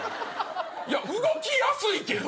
いや動きやすいけど。